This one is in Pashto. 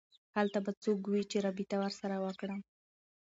هلته به څوک وي چې رابطه ورسره وکړم